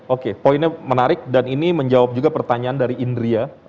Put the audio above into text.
oke poinnya menarik dan ini menjawab juga pertanyaan dari indria